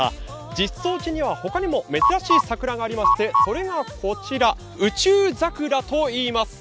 實相寺には他にも珍しい桜がありまして、それがこちら、宇宙桜といいます。